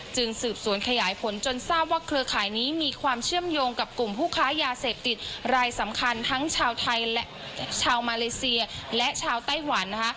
สืบสวนขยายผลจนทราบว่าเครือข่ายนี้มีความเชื่อมโยงกับกลุ่มผู้ค้ายาเสพติดรายสำคัญทั้งชาวไทยและชาวมาเลเซียและชาวไต้หวันนะคะ